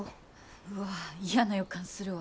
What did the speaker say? うわ嫌な予感するわ。